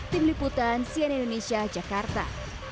tim liputan sian indonesia jakarta